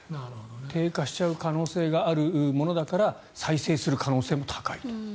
低下しちゃう可能性があるものだから再生する可能性も高いと。